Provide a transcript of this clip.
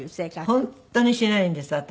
本当にしないんです私。